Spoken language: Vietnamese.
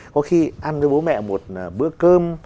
có khi ăn với bố mẹ một bữa cơm